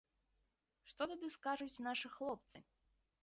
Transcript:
Што тады скажуць нашы хлопцы?